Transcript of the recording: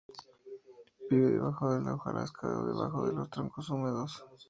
Vive debajo de la hojarasca o debajo de los troncos húmedos.